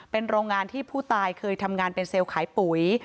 เป็นโรงงานที่ผู้ตายเคยทำงานเป็นเซลล์ขายปุ๋ย